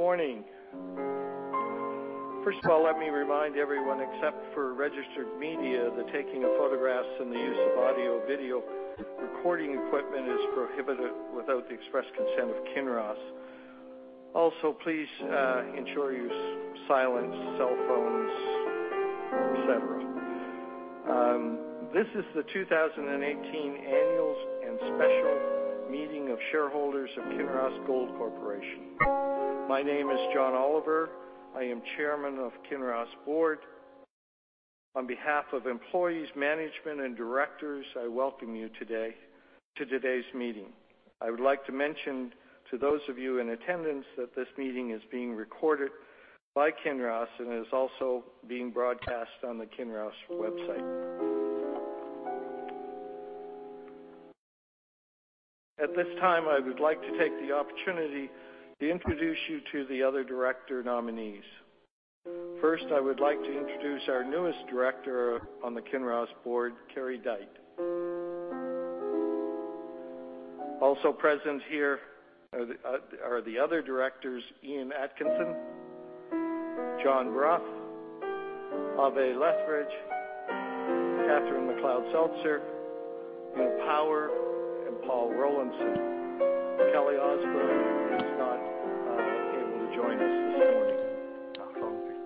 Good morning. First of all, let me remind everyone, except for registered media, the taking of photographs and the use of audio-video recording equipment is prohibited without the express consent of Kinross. Please ensure you silence cell phones, et cetera. This is the 2018 Annual and Special Meeting of Shareholders of Kinross Gold Corporation. My name is John Oliver. I am Chairman of Kinross Board. On behalf of employees, management, and directors, I welcome you to today's meeting. I would like to mention to those of you in attendance that this meeting is being recorded by Kinross and is also being broadcast on the Kinross website. At this time, I would like to take the opportunity to introduce you to the other director nominees. First, I would like to introduce our newest director on the Kinross Board, Kerry D. Dyte. Present here are the other directors, Ian Atkinson, John A. Brough, Ave Lethbridge, Catherine McLeod-Seltzer, Una Power, and Paul Rollinson. Kelly J. Osborne was not able to join us this morning.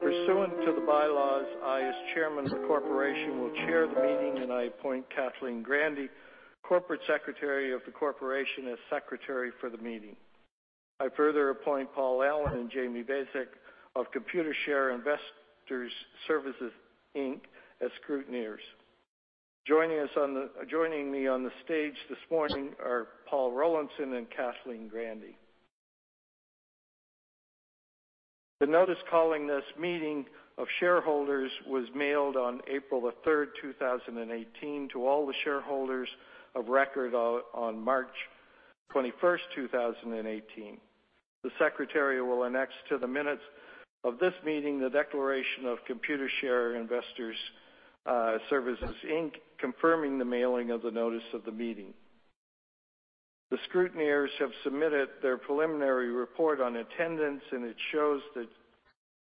Pursuant to the bylaws, I, as Chairman of the Corporation, will chair the meeting, and I appoint Kathleen Grandy, Corporate Secretary of the Corporation, as secretary for the meeting. I further appoint Paul Allen and Jamie Basic of Computershare Investor Services Inc., as scrutineers. Joining me on the stage this morning are Paul Rollinson and Kathleen Grandy. The notice calling this meeting of shareholders was mailed on April 3rd, 2018, to all the shareholders of record on March 21st, 2018. The secretary will annex to the minutes of this meeting the declaration of Computershare Investor Services Inc., confirming the mailing of the notice of the meeting. The scrutineers have submitted their preliminary report on attendance. It shows that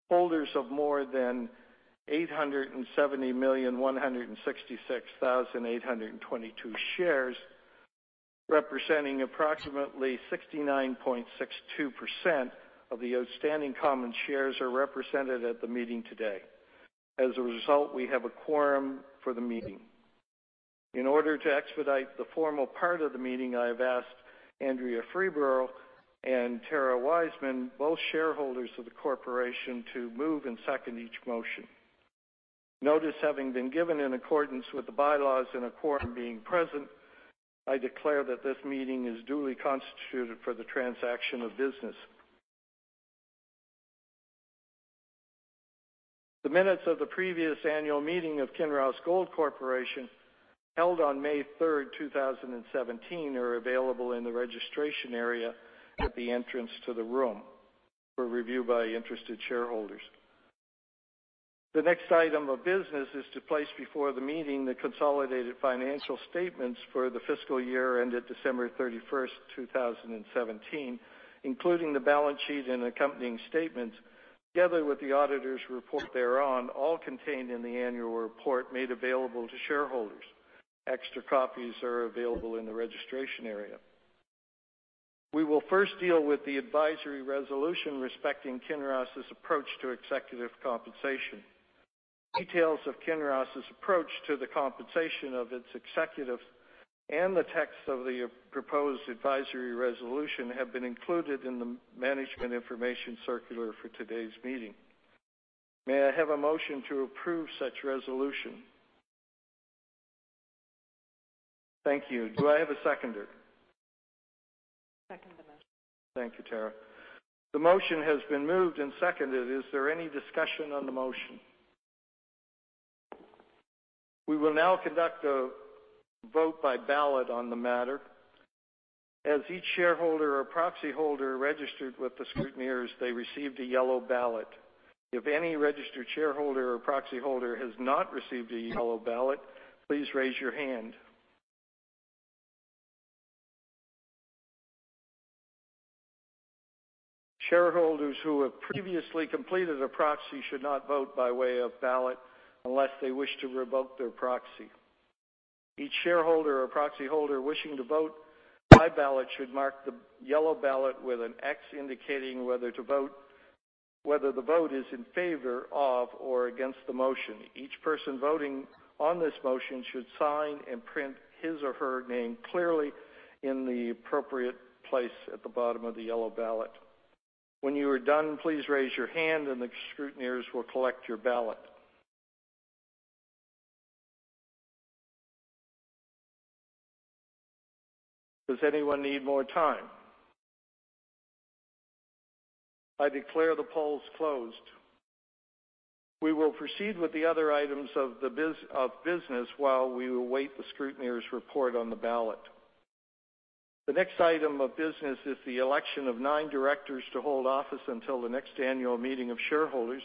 holders of more than 870,166,822 shares, representing approximately 69.62% of the outstanding common shares, are represented at the meeting today. As a result, we have a quorum for the meeting. In order to expedite the formal part of the meeting, I have asked Andrea Freeborough and Tara Wiseman, both shareholders of the Corporation, to move and second each motion. Notice having been given in accordance with the bylaws and a quorum being present, I declare that this meeting is duly constituted for the transaction of business. The minutes of the previous annual meeting of Kinross Gold Corporation, held on May 3rd, 2017, are available in the registration area at the entrance to the room for review by interested shareholders. The next item of business is to place before the meeting the consolidated financial statements for the fiscal year ended December 31st, 2017, including the balance sheet and accompanying statements, together with the auditor's report thereon, all contained in the annual report made available to shareholders. Extra copies are available in the registration area. We will first deal with the advisory resolution respecting Kinross's approach to executive compensation. Details of Kinross's approach to the compensation of its executives and the text of the proposed advisory resolution have been included in the management information circular for today's meeting. May I have a motion to approve such resolution? Thank you. Do I have a seconder? Second the motion. Thank you, Tara. The motion has been moved and seconded. Is there any discussion on the motion? We will now conduct a vote by ballot on the matter. As each shareholder or proxy holder registered with the scrutineers, they received a yellow ballot. If any registered shareholder or proxy holder has not received a yellow ballot, please raise your hand. Shareholders who have previously completed a proxy should not vote by way of ballot unless they wish to revoke their proxy. Each shareholder or proxy holder wishing to vote by ballot should mark the yellow ballot with an X indicating whether the vote is in favor of or against the motion. Each person voting on this motion should sign and print his or her name clearly in the appropriate place at the bottom of the yellow ballot. When you are done, please raise your hand and the scrutineers will collect your ballot. Does anyone need more time? I declare the polls closed. We will proceed with the other items of business while we await the scrutineers' report on the ballot. The next item of business is the election of nine directors to hold office until the next annual meeting of shareholders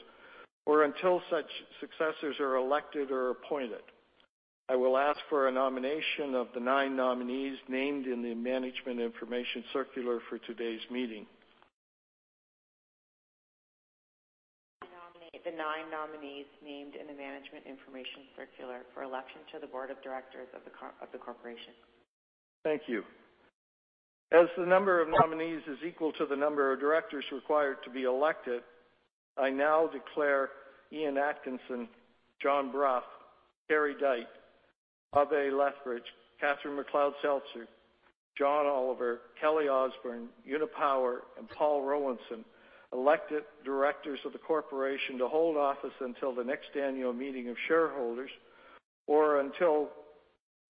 or until such successors are elected or appointed. I will ask for a nomination of the nine nominees named in the management information circular for today's meeting. I nominate the nine nominees named in the management information circular for election to the board of directors of the corporation. Thank you. As the number of nominees is equal to the number of directors required to be elected, I now declare Ian Atkinson, John Brough, Kerry Dyte, Ave Lethbridge, Catherine McLeod-Seltzer, John Oliver, Kelly Osborne, Una Power, and Paul Rollinson elected directors of the corporation to hold office until the next annual meeting of shareholders, or until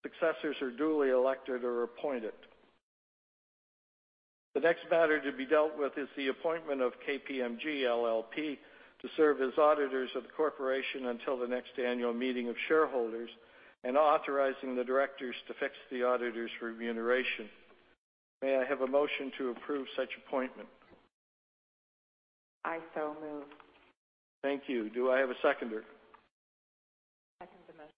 successors are duly elected or appointed. The next matter to be dealt with is the appointment of KPMG LLP to serve as auditors of the corporation until the next annual meeting of shareholders and authorizing the directors to fix the auditors' remuneration. May I have a motion to approve such appointment? I so move. Thank you. Do I have a seconder? I second the motion.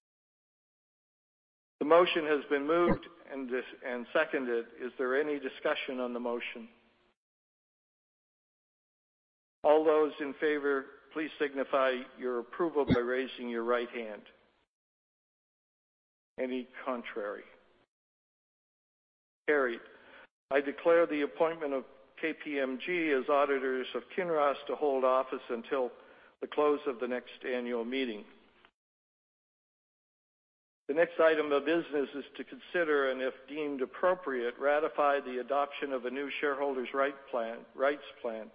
The motion has been moved and seconded. Is there any discussion on the motion? All those in favor, please signify your approval by raising your right hand. Any contrary? Carried. I declare the appointment of KPMG as auditors of Kinross to hold office until the close of the next annual meeting. The next item of business is to consider, and if deemed appropriate, ratify the adoption of a new shareholders' rights plan.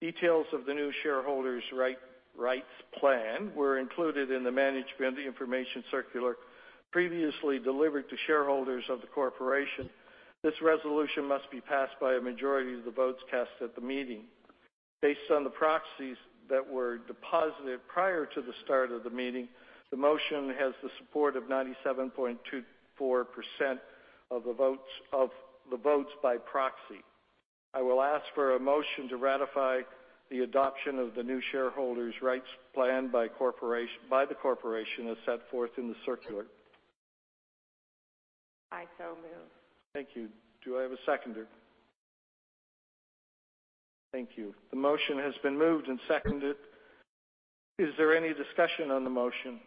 Details of the new shareholders' rights plan were included in the management information circular previously delivered to shareholders of the corporation. This resolution must be passed by a majority of the votes cast at the meeting. Based on the proxies that were deposited prior to the start of the meeting, the motion has the support of 97.24% of the votes by proxy. I will ask for a motion to ratify the adoption of the new shareholders' rights plan by the corporation as set forth in the circular. I so move. Thank you. Do I have a seconder? Thank you. The motion has been moved and seconded. Is there any discussion on the motion?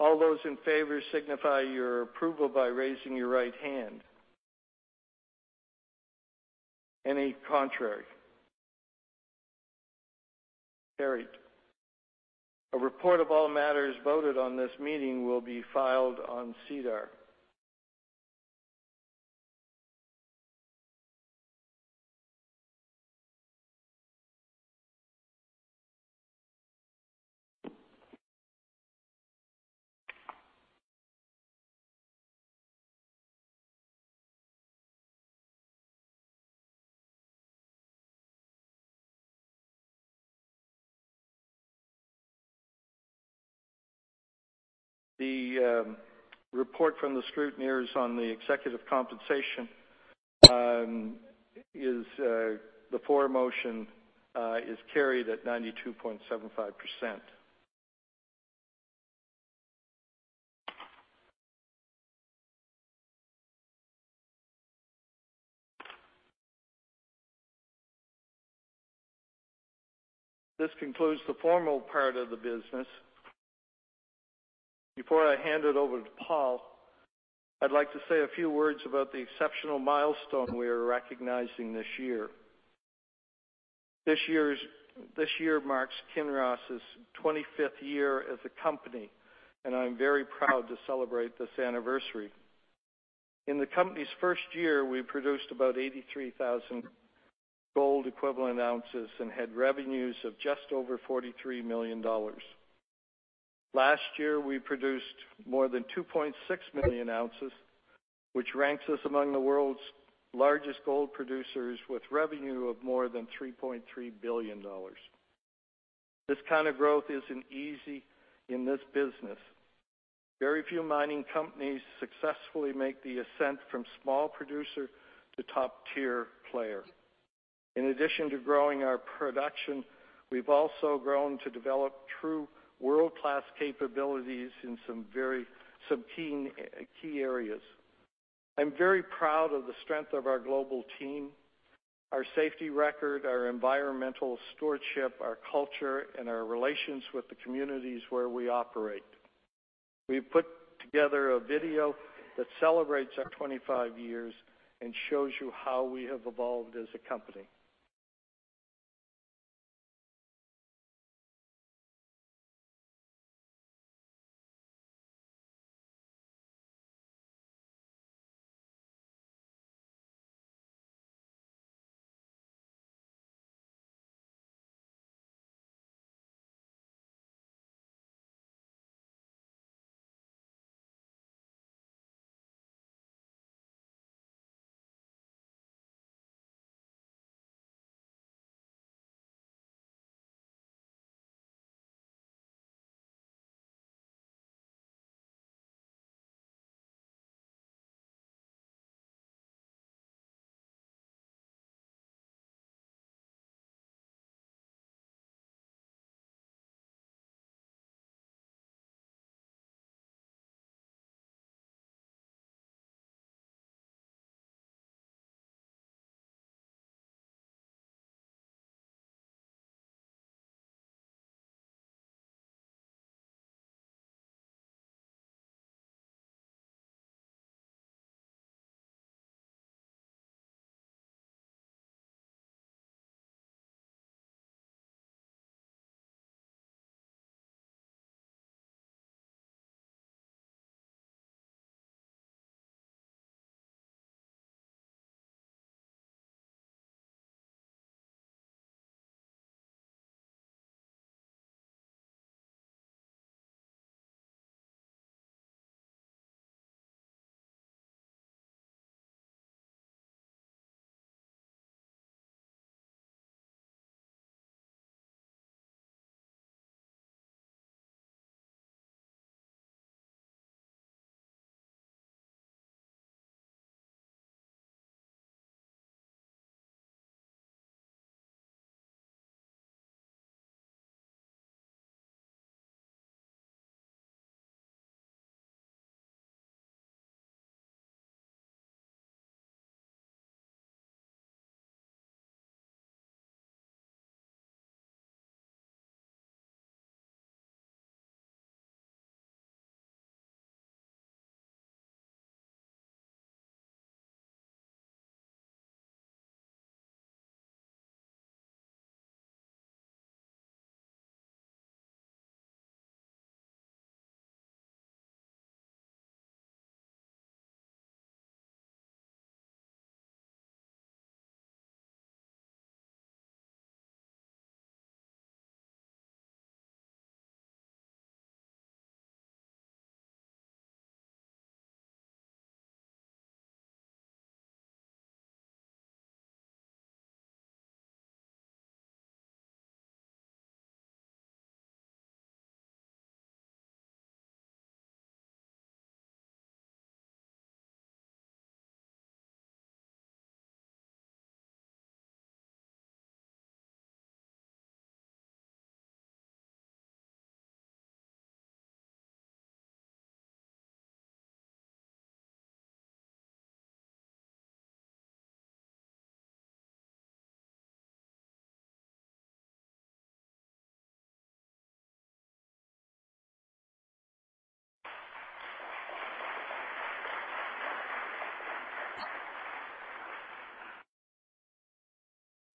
All those in favor, signify your approval by raising your right hand. Any contrary? Carried. A report of all matters voted on in this meeting will be filed on SEDAR. The report from the scrutineers on the executive compensation is the floor motion is carried at 92.75%. This concludes the formal part of the business. Before I hand it over to Paul, I'd like to say a few words about the exceptional milestone we are recognizing this year. This year marks Kinross's 25th year as a company, and I'm very proud to celebrate this anniversary. In the company's first year, we produced about 83,000 gold equivalent ounces and had revenues of just over $43 million. Last year, we produced more than 2.6 million ounces, which ranks us among the world's largest gold producers with revenue of more than $3.3 billion. This kind of growth isn't easy in this business. Very few mining companies successfully make the ascent from small producer to top-tier player. In addition to growing our production, we've also grown to develop true world-class capabilities in some key areas. I'm very proud of the strength of our global team, our safety record, our environmental stewardship, our culture, and our relations with the communities where we operate. We put together a video that celebrates our 25 years and shows you how we have evolved as a company.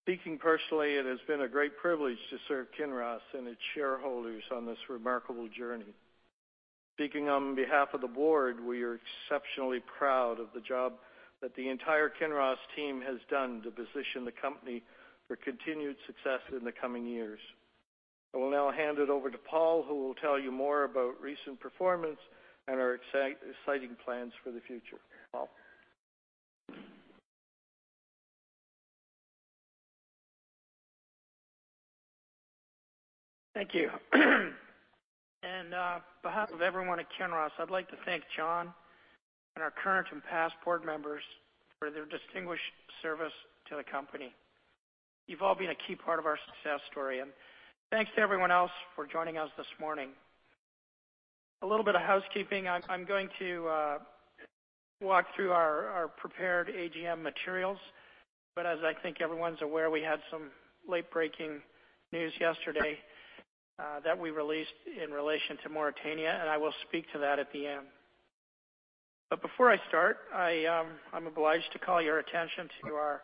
Speaking personally, it has been a great privilege to serve Kinross and its shareholders on this remarkable journey. Speaking on behalf of the board, we are exceptionally proud of the job that the entire Kinross team has done to position the company for continued success in the coming years. I will now hand it over to Paul, who will tell you more about recent performance and our exciting plans for the future. Paul. Thank you. On behalf of everyone at Kinross, I'd like to thank John and our current and past board members for their distinguished service to the company. You've all been a key part of our success story, and thanks to everyone else for joining us this morning. A little bit of housekeeping. I'm going to walk through our prepared AGM materials. As I think everyone's aware, we had some late-breaking news yesterday that we released in relation to Mauritania. I will speak to that at the end. Before I start, I'm obliged to call your attention to our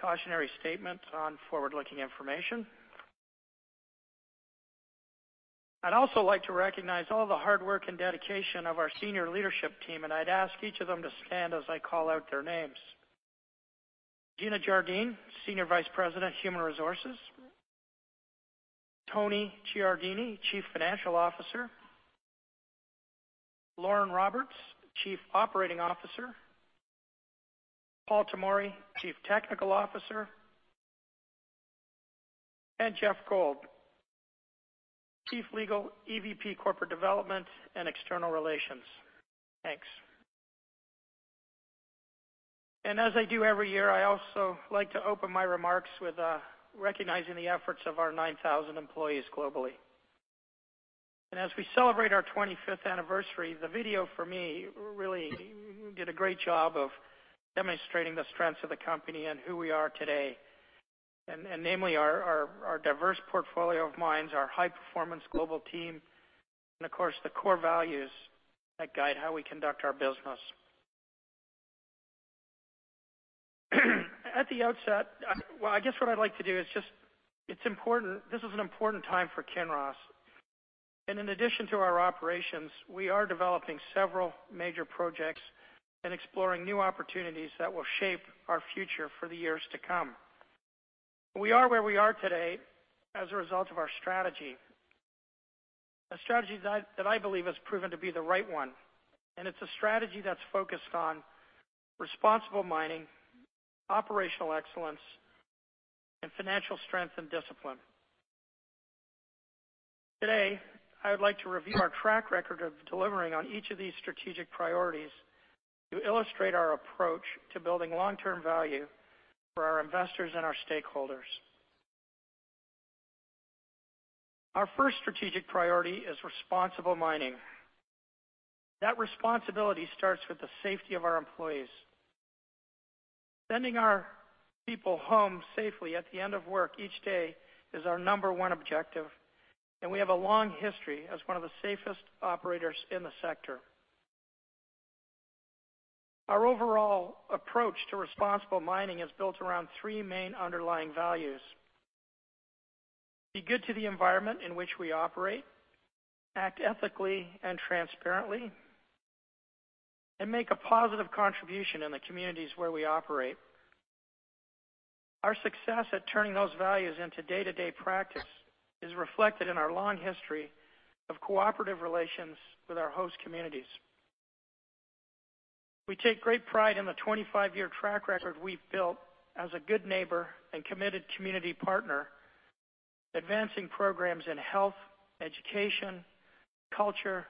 cautionary statement on forward-looking information. I'd also like to recognize all the hard work and dedication of our senior leadership team, and I'd ask each of them to stand as I call out their names. Gina Jardine, Senior Vice President, Human Resources. Tony Giardini, Chief Financial Officer. Lauren Roberts, Chief Operating Officer. Paul Tomory, Chief Technical Officer, and Jeff Gold, Chief Legal, EVP, Corporate Development and External Relations. Thanks. As I do every year, I also like to open my remarks with recognizing the efforts of our 9,000 employees globally. As we celebrate our 25th anniversary, the video, for me, really did a great job of demonstrating the strengths of the company and who we are today. Namely, our diverse portfolio of mines, our high-performance global team, and of course, the core values that guide how we conduct our business. At the outset, this is an important time for Kinross. In addition to our operations, we are developing several major projects and exploring new opportunities that will shape our future for the years to come. We are where we are today as a result of our strategy. A strategy that I believe has proven to be the right one. It's a strategy that's focused on responsible mining, operational excellence, and financial strength and discipline. Today, I would like to review our track record of delivering on each of these strategic priorities to illustrate our approach to building long-term value for our investors and our stakeholders. Our first strategic priority is responsible mining. That responsibility starts with the safety of our employees. Sending our people home safely at the end of work each day is our number one objective. We have a long history as one of the safest operators in the sector. Our overall approach to responsible mining is built around three main underlying values: be good to the environment in which we operate, act ethically and transparently, and make a positive contribution in the communities where we operate. Our success at turning those values into day-to-day practice is reflected in our long history of cooperative relations with our host communities. We take great pride in the 25-year track record we've built as a good neighbor and committed community partner, advancing programs in health, education, culture,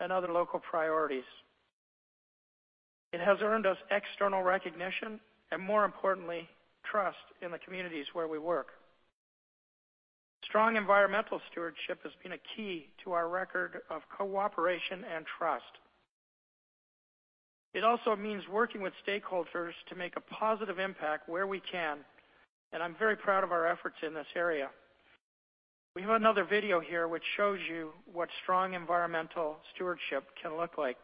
and other local priorities. It has earned us external recognition and, more importantly, trust in the communities where we work. Strong environmental stewardship has been a key to our record of cooperation and trust. It also means working with stakeholders to make a positive impact where we can. I'm very proud of our efforts in this area. We have another video here which shows you what strong environmental stewardship can look like.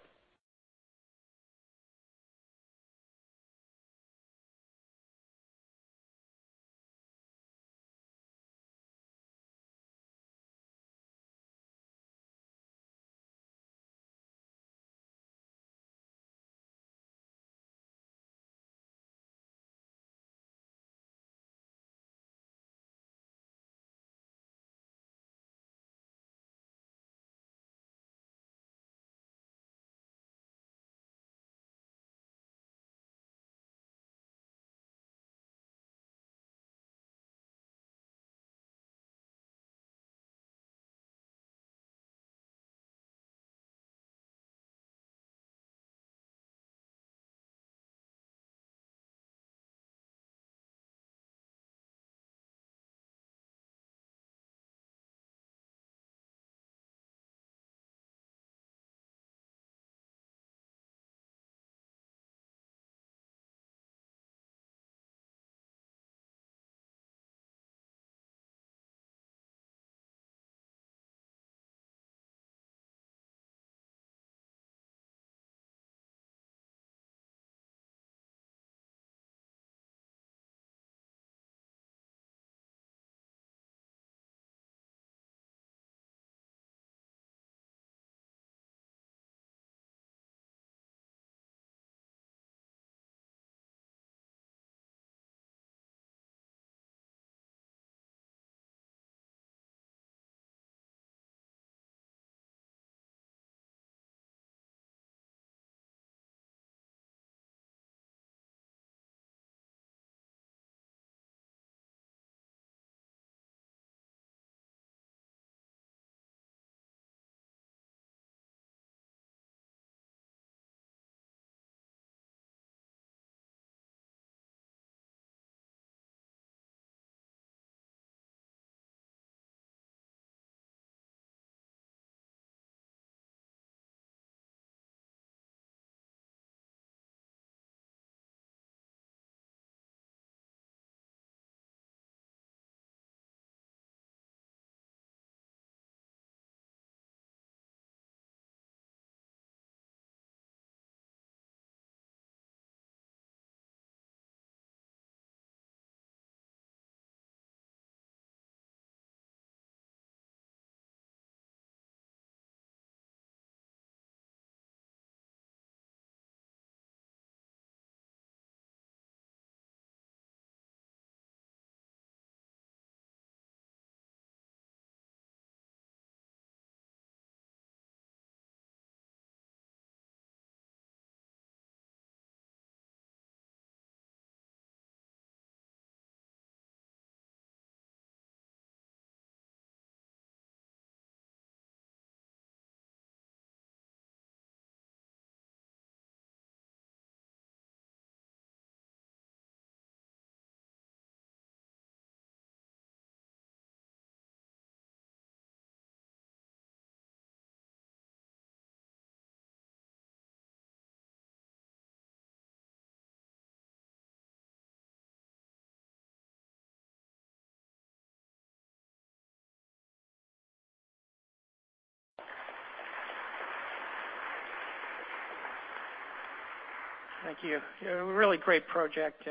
Thank you. A really great project.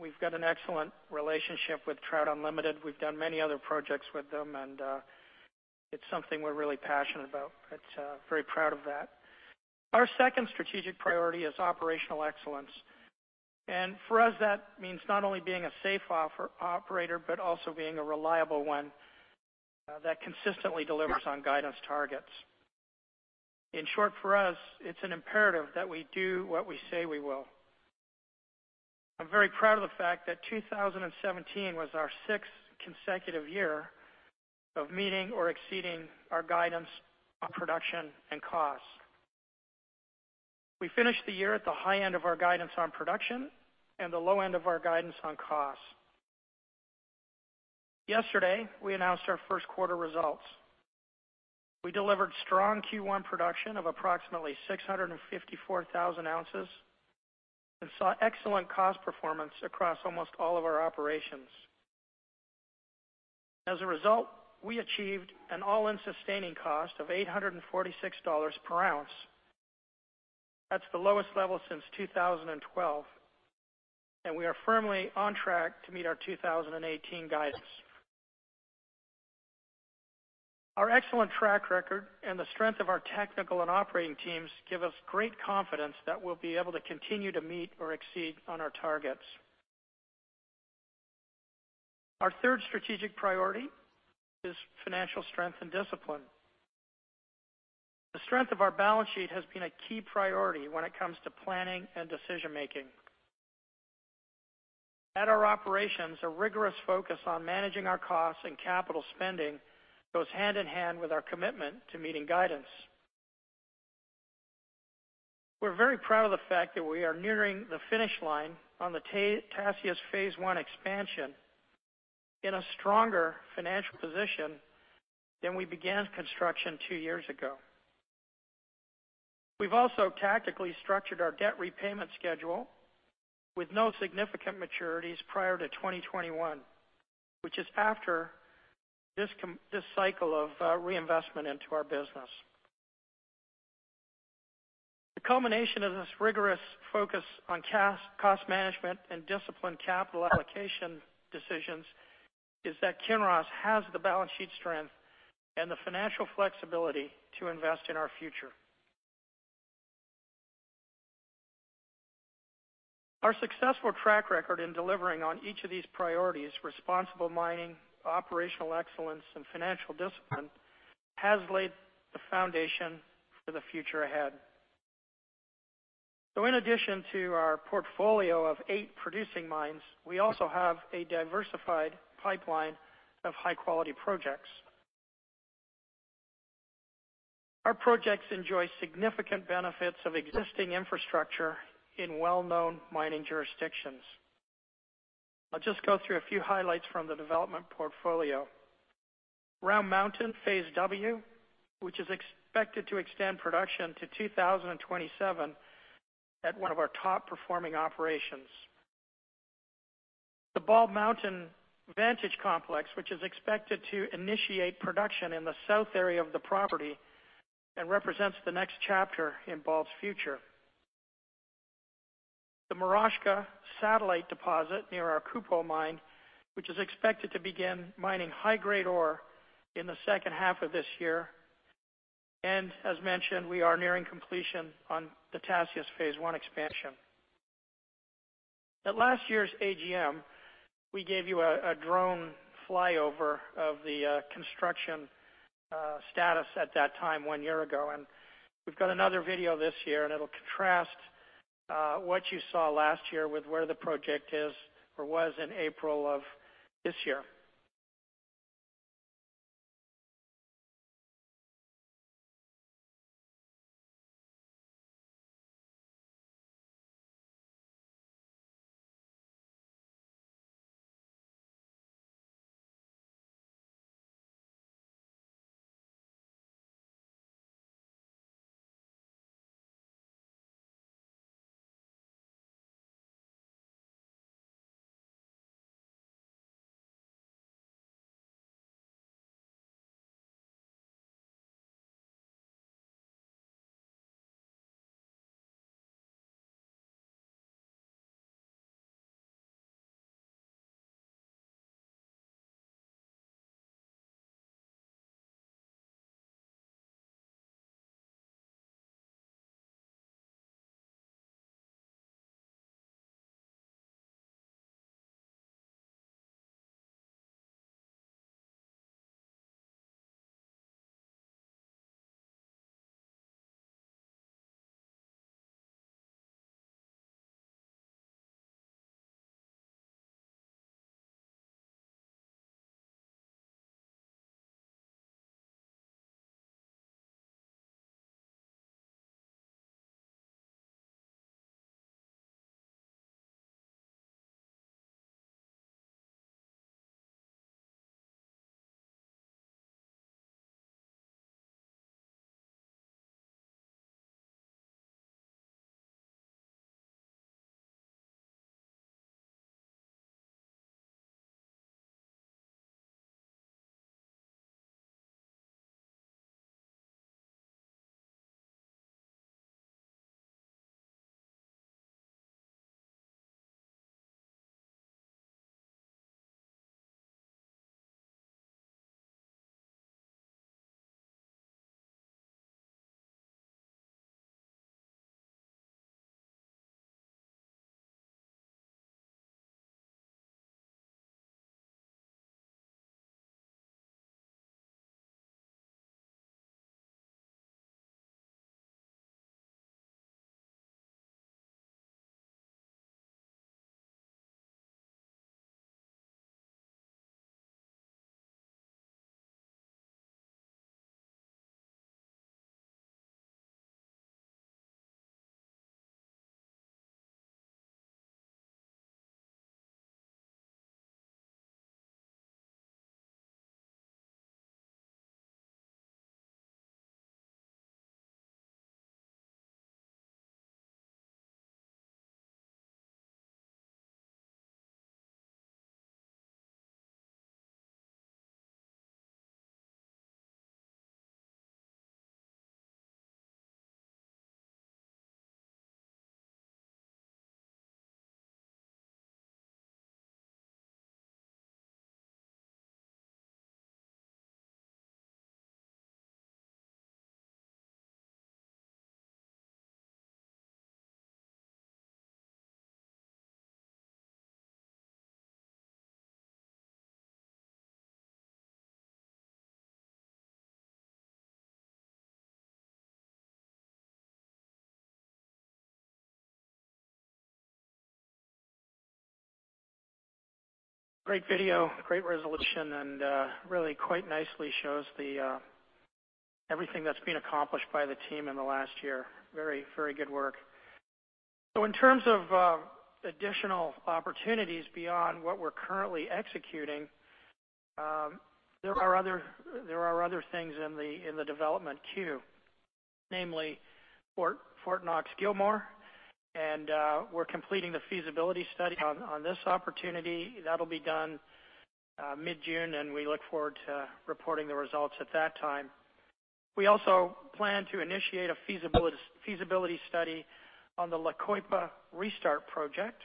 We've got an excellent relationship with Trout Unlimited. We've done many other projects with them. It's something we're really passionate about. Very proud of that. Our second strategic priority is operational excellence. For us, that means not only being a safe operator, but also being a reliable one that consistently delivers on guidance targets. In short, for us, it's an imperative that we do what we say we will. I'm very proud of the fact that 2017 was our sixth consecutive year of meeting or exceeding our guidance on production and costs. We finished the year at the high end of our guidance on production and the low end of our guidance on costs. Yesterday, we announced our first quarter results. We delivered strong Q1 production of approximately 654,000 ounces and saw excellent cost performance across almost all of our operations. As a result, we achieved an all-in sustaining cost of $846 per ounce. That's the lowest level since 2012. We are firmly on track to meet our 2018 guidance. Our excellent track record and the strength of our technical and operating teams give us great confidence that we'll be able to continue to meet or exceed on our targets. Our third strategic priority is financial strength and discipline. The strength of our balance sheet has been a key priority when it comes to planning and decision making. At our operations, a rigorous focus on managing our costs and capital spending goes hand in hand with our commitment to meeting guidance. We're very proud of the fact that we are nearing the finish line on the Tasiast Phase One Expansion in a stronger financial position than we began construction two years ago. We've also tactically structured our debt repayment schedule with no significant maturities prior to 2021, which is after this cycle of reinvestment into our business. The culmination of this rigorous focus on cost management and disciplined capital allocation decisions is that Kinross Gold has the balance sheet strength and the financial flexibility to invest in our future. Our successful track record in delivering on each of these priorities, responsible mining, operational excellence, and financial discipline, has laid the foundation for the future ahead. In addition to our portfolio of eight producing mines, we also have a diversified pipeline of high-quality projects. Our projects enjoy significant benefits of existing infrastructure in well-known mining jurisdictions. I'll just go through a few highlights from the development portfolio. Round Mountain Phase W, which is expected to extend production to 2027 at one of our top performing operations. The Bald Mountain Vantage Complex, which is expected to initiate production in the south area of the property and represents the next chapter in Bald's future. The Moroshka satellite deposit near our Kupol mine, which is expected to begin mining high-grade ore in the second half of this year. As mentioned, we are nearing completion on the Tasiast Phase One Expansion. At last year's AGM, we gave you a drone flyover of the construction status at that time one year ago. We've got another video this year, and it'll contrast what you saw last year with where the project is or was in April of this year. Great video, great resolution, and really quite nicely shows everything that's been accomplished by the team in the last year. Very good work. In terms of additional opportunities beyond what we're currently executing, there are other things in the development queue, namely Fort Knox Gilmore, and we're completing the feasibility study on this opportunity. That'll be done mid-June, and we look forward to reporting the results at that time. We also plan to initiate a feasibility study on the La Coipa restart project.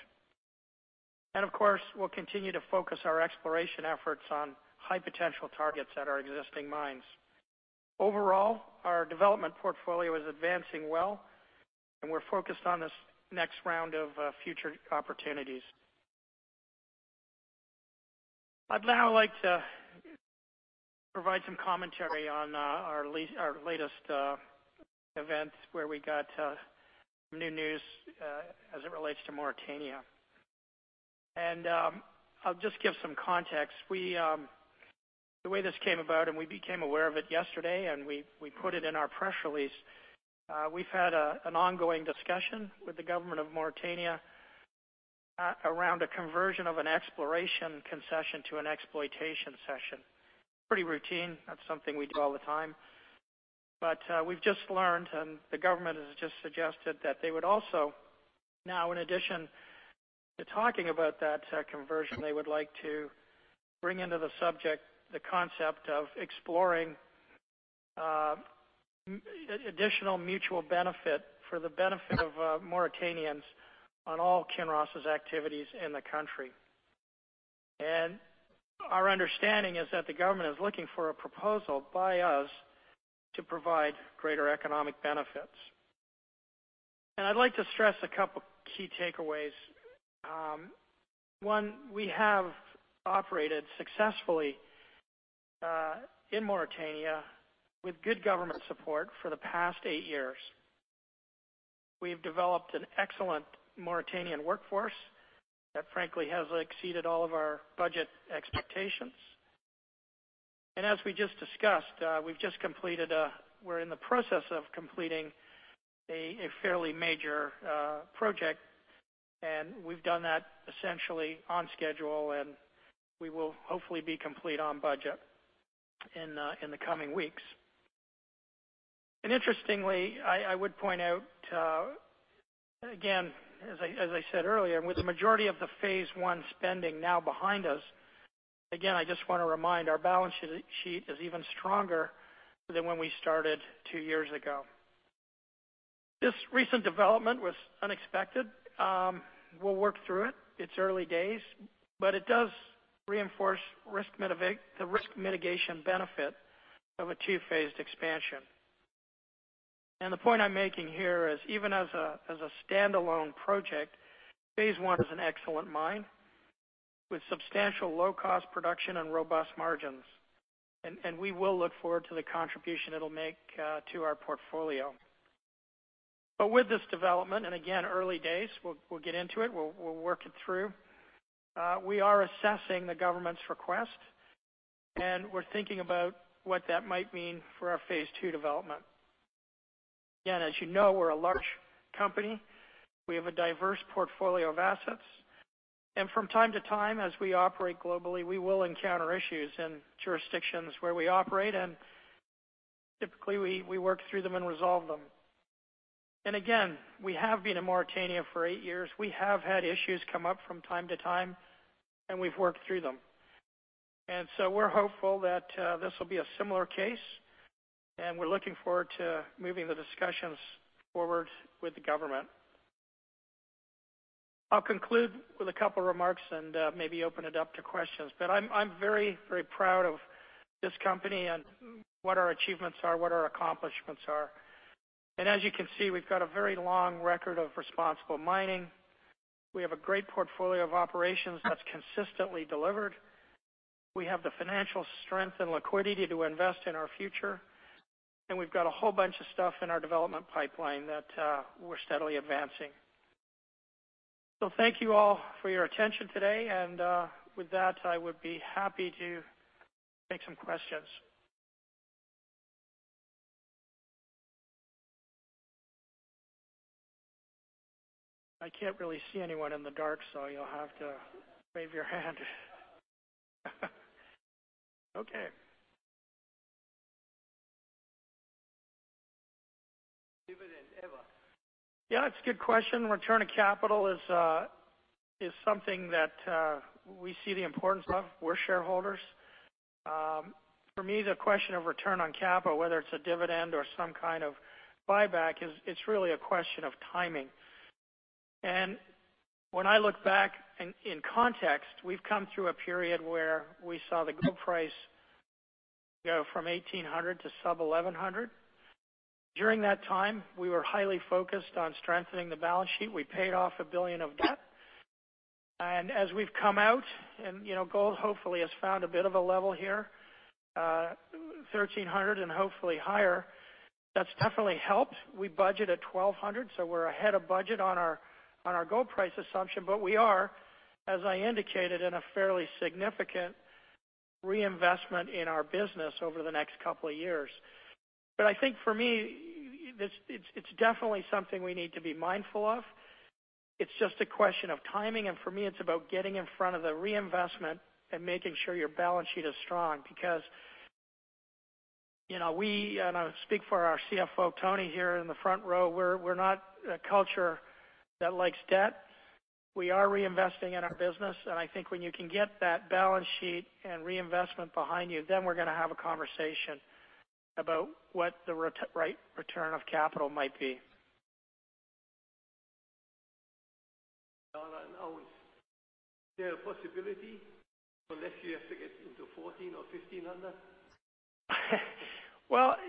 Of course, we'll continue to focus our exploration efforts on high potential targets at our existing mines. Overall, our development portfolio is advancing well, and we're focused on this next round of future opportunities. I'd now like to provide some commentary on our latest events where we got some new news as it relates to Mauritania. I'll just give some context. The way this came about, and we became aware of it yesterday and we put it in our press release, we've had an ongoing discussion with the government of Mauritania around a conversion of an exploration concession to an exploitation concession. Pretty routine. That's something we do all the time. We've just learned, and the government has just suggested that they would also now, in addition to talking about that conversion, they would like to bring into the subject the concept of exploring additional mutual benefit for the benefit of Mauritanians on all Kinross Gold's activities in the country. Our understanding is that the government is looking for a proposal by us to provide greater economic benefits. I'd like to stress a couple key takeaways. One, we have operated successfully in Mauritania with good government support for the past eight years. We have developed an excellent Mauritanian workforce that frankly has exceeded all of our budget expectations. As we just discussed, we're in the process of completing a fairly major project, we've done that essentially on schedule, we will hopefully be complete on budget in the coming weeks. Interestingly, I would point out, again, as I said earlier, with the majority of the Phase One spending now behind us, again, I just want to remind our balance sheet is even stronger than when we started two years ago. This recent development was unexpected. We'll work through it. It's early days, but it does reinforce the risk mitigation benefit of a two-phased expansion. The point I'm making here is even as a standalone project, Phase One is an excellent mine with substantial low-cost production and robust margins. We will look forward to the contribution it'll make to our portfolio. With this development, again, early days, we'll get into it. We'll work it through. We are assessing the government's request, and we're thinking about what that might mean for our Phase 2 development. Again, as you know, we're a large company. We have a diverse portfolio of assets. From time to time, as we operate globally, we will encounter issues in jurisdictions where we operate, typically we work through them and resolve them. Again, we have been in Mauritania for eight years. We have had issues come up from time to time, we've worked through them. So we're hopeful that this will be a similar case, we're looking forward to moving the discussions forward with the government. I'll conclude with a couple remarks and maybe open it up to questions. I'm very proud of this company and what our achievements are, what our accomplishments are. As you can see, we've got a very long record of responsible mining. We have a great portfolio of operations that's consistently delivered. We have the financial strength and liquidity to invest in our future, we've got a whole bunch of stuff in our development pipeline that we're steadily advancing. Thank you all for your attention today. With that, I would be happy to take some questions. I can't really see anyone in the dark, you'll have to wave your hand. Okay. Dividend ever? It's a good question. Return of capital is something that we see the importance of for shareholders. For me, the question of return on capital, whether it's a dividend or some kind of buyback, it's really a question of timing. When I look back in context, we've come through a period where we saw the gold price go from 1,800 to sub 1,100. During that time, we were highly focused on strengthening the balance sheet. We paid off $1 billion of debt. As we've come out and gold, hopefully, has found a bit of a level here, 1,300 and hopefully higher, that's definitely helped. We budget at 1,200, so we're ahead of budget on our gold price assumption. We are, as I indicated, in a fairly significant reinvestment in our business over the next couple of years. I think for me, it's definitely something we need to be mindful of. It's just a question of timing, and for me, it's about getting in front of the reinvestment and making sure your balance sheet is strong, because we, and I speak for our CFO, Tony, here in the front row, we're not a culture that likes debt. We are reinvesting in our business, I think when you can get that balance sheet and reinvestment behind you, we're going to have a conversation about what the right return of capital might be. Is there a possibility for next year to get into 14 or 1,500?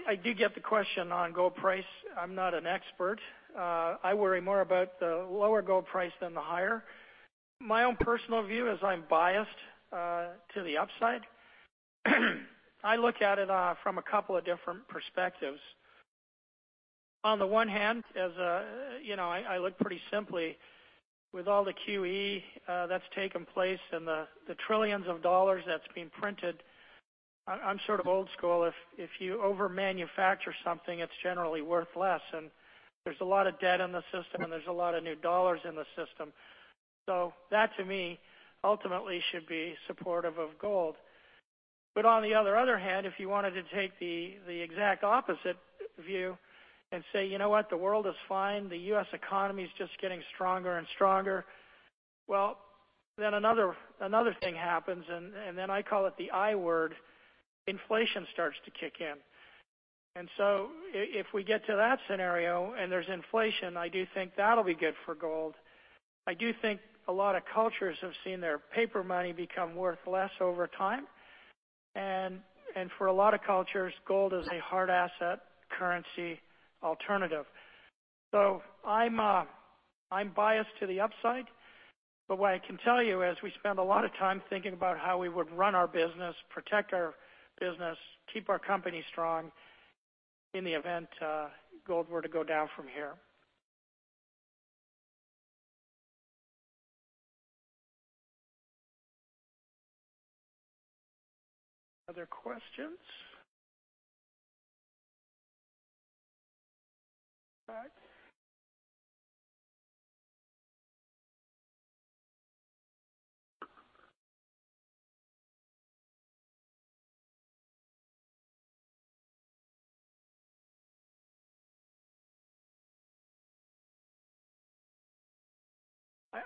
I do get the question on gold price. I'm not an expert. I worry more about the lower gold price than the higher. My own personal view is I'm biased to the upside. I look at it from a couple of different perspectives. On the one hand, I look pretty simply with all the QE that's taken place and the trillions of dollars that's been printed, I'm sort of old school. If you over manufacture something, it's generally worth less, and there's a lot of debt in the system, and there's a lot of new dollars in the system. That, to me, ultimately should be supportive of gold. On the other hand, if you wanted to take the exact opposite view and say, "You know what? The world is fine. The U.S. economy is just getting stronger and stronger. Another thing happens, I call it the I-word, inflation starts to kick in. If we get to that scenario and there's inflation, I do think that'll be good for gold. I do think a lot of cultures have seen their paper money become worth less over time. For a lot of cultures, gold is a hard asset currency alternative. I'm biased to the upside. What I can tell you is we spend a lot of time thinking about how we would run our business, protect our business, keep our company strong in the event gold were to go down from here. Other questions? All right.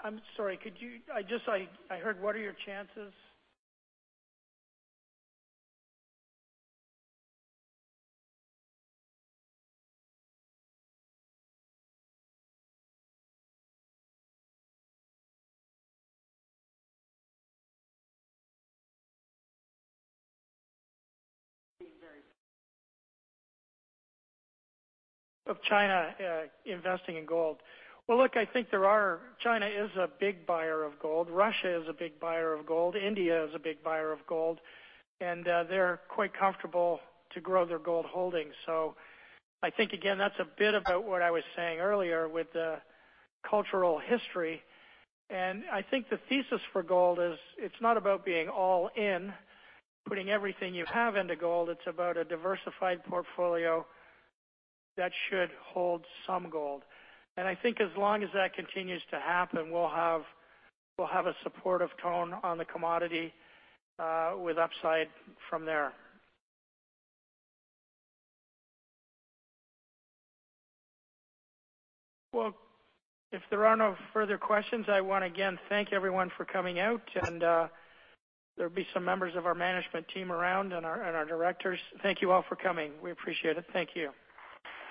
I'm sorry. I heard, what are your chances? Of China investing in gold. Look, I think China is a big buyer of gold. Russia is a big buyer of gold. India is a big buyer of gold, and they're quite comfortable to grow their gold holdings. I think, again, that's a bit about what I was saying earlier with the cultural history. I think the thesis for gold is it's not about being all in, putting everything you have into gold. It's about a diversified portfolio that should hold some gold. I think as long as that continues to happen, we'll have a supportive tone on the commodity with upside from there. If there are no further questions, I want to again thank everyone for coming out, and there'll be some members of our management team around and our directors. Thank you all for coming. We appreciate it. Thank you.